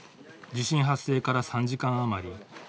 地震発生から３時間余り。